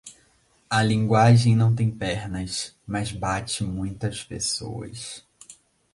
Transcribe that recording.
A linguagem não tem pernas, mas bate muitas pessoas.